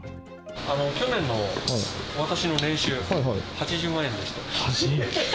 去年の私の年収、８０万円でした。